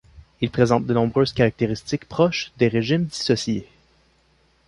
Il présente de nombreuses caractéristiques proches des régimes dissociés.